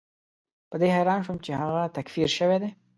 په دې حیران شوم چې هغه تکفیر شوی دی.